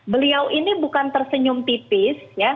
beliau ini bukan tersenyum tipis